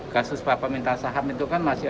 kasus papa minta saham itu kan masih